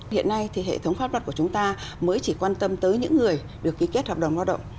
hiện nay thì hệ thống pháp luật của chúng ta mới chỉ quan tâm tới những người được ký kết hợp đồng lao động